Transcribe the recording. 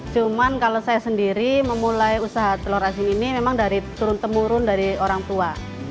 cuman kalau saya sendiri memulai usaha telur asin ini memang dari turun temurun dari orang tua